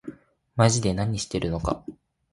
まぢで何してるのか